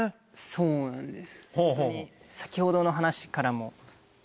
そうなんです